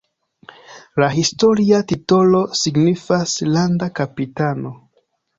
La historia titolo signifas "landa kapitano".